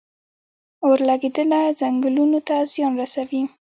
اورلګیدنه ځنګلونو ته څه زیان رسوي؟